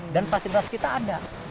dan pasti berarti kita ada